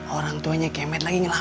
orangtuanya kemet lagi ngelamar